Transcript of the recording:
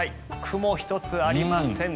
雲一つありません。